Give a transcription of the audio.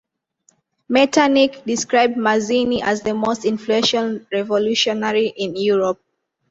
Metternich described Mazzini as the most influential revolutionary in Europe.